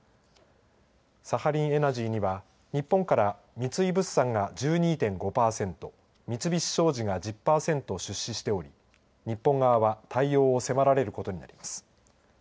サハリンエナジーには日本から三井物産が１２．５パーセント三菱商事が１０パーセント出資しており日本側は対応を迫られることになります。